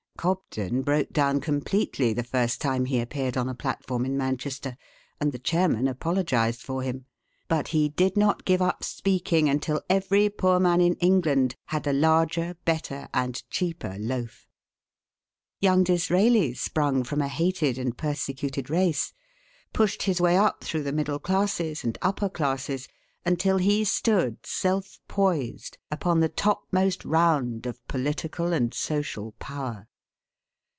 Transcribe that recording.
Cobden broke down completely the first time he appeared on a platform in Manchester, and the chairman apologized for him; but he did not give up speaking until every poor man in England had a larger, better, and cheaper loaf. Young Disraeli sprung from a hated and persecuted race, pushed his way up through the middle classes and upper classes, until he stood self poised upon the topmost round of political and social power.